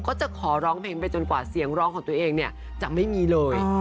ก็จะขอร้องเพลงไปจนกว่าเสียงร้องของตัวเองเนี่ยจะไม่มีเลย